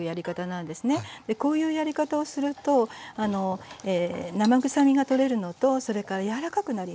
こういうやり方をすると生ぐさみが取れるのとそれから柔らかくなります。